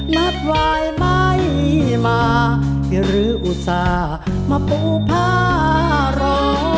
นัดวายไม่มาเดี๋ยวหรืออุตส่าห์มาปูภาระ